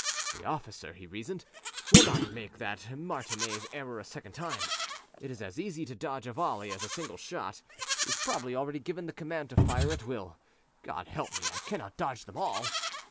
"The officer," he reasoned, "will not make that martinet's error a second time. It is as easy to dodge a volley as a single shot. He has probably already given the command to fire at will. God help me, I cannot dodge them all!"